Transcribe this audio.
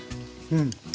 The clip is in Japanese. うん。